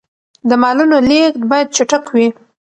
د مالونو لېږد باید چټک وي.